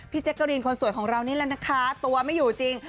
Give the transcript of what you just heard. แจ๊กกะรีนคนสวยของเรานี่แหละนะคะตัวไม่อยู่จริง